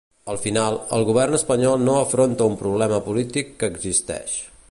Al final, el govern espanyol no afronta un problema polític que existeix.